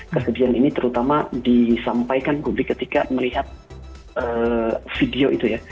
kesedihan ini terutama disampaikan publik ketika melihat video itu ya